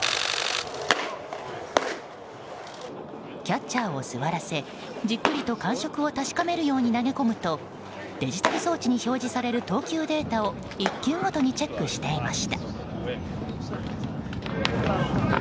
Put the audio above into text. キャッチャーを座らせじっくりと感触を確かめるように投げ込むとデジタル装置に表示される投球データを１球ごとにチェックしていました。